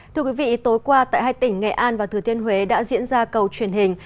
thưa quý vị tối qua tại hai tỉnh nghệ an và thừa thiên huế đã diễn ra cầu truyền hình